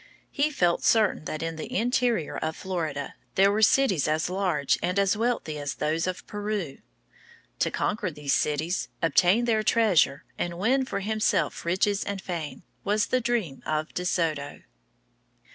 He felt certain that in the interior of Florida there were cities as large and as wealthy as those of Peru. To conquer these cities, obtain their treasure, and win for himself riches and fame, was the dream of De Soto.